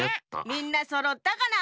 みんなそろったかな？